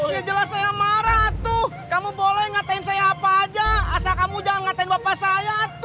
yang jelas saya marah tuh kamu boleh ngatain saya apa aja asal kamu jangan ngatain bapak saya tuh